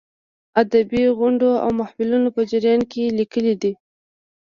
ادبي غونډو او محفلونو په جریان کې یې لیکلې دي.